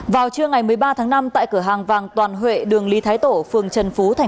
vào trưa ngày một mươi ba tháng năm tại cửa hàng vàng toàn huệ đường lý thái tổ phường trần phú